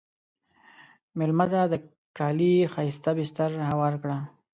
مېلمه ته د کالي ښایسته بستر هوار کړه.